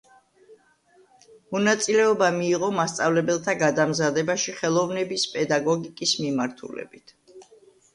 მონაწილეობა მიიღო მასწავლებელთა გადამზადებაში ხელოვნების პედაგოგიკის მიმართულებით.